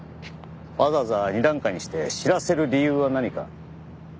わざわざ２段階にして知らせる理由は何か？